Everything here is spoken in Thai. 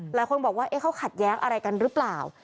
หลายคนบอกว่าเขาขัดแย้งอะไรกันหรือเปล่า